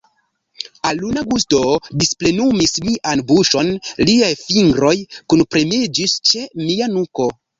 Aluna gusto displenumis mian buŝon, liaj fingroj kunpremiĝis ĉe mia nuko.